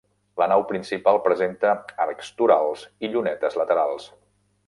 La nau principal presenta arcs torals i llunetes laterals.